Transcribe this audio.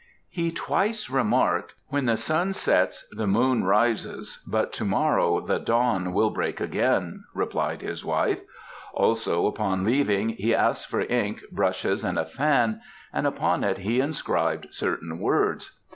"He twice remarked: 'When the sun sets the moon rises, but to morrow the drawn will break again,'" replied his wife. "Also, upon leaving he asked for ink, brushes and a fan, and upon it he inscribed certain words."